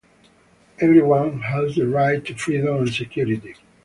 Everyone has the right to freedom and security.